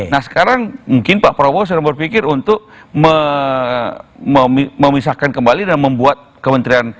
nah sekarang mungkin pak prabowo sudah berpikir untuk memisahkan kembali dan membuat kementerian